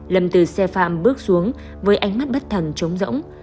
lâm từ xe phạm bước xuống với ánh mắt bất thần trống rỗng